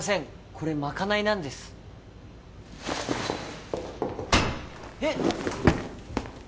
これまかないなんですえっ？